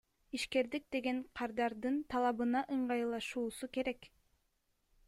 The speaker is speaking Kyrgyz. Ишкердик деген кардардын талабына ыңгайлашуусу керек.